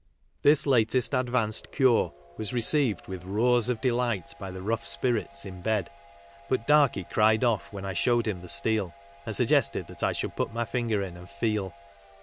This latest advanced cure was received with roars of delight by the rough spirits in bed, but Barkie cried off when I showed him the steel, and suggested that I should put my finger in " and feel."